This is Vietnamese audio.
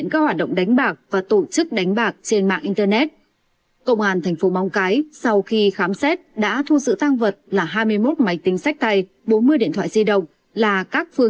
công an phường kiều mẫu